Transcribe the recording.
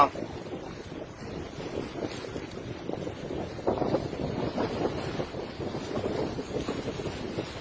โอ้ยโอ้ย